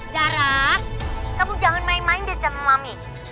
zara kamu jangan main main deh sama mami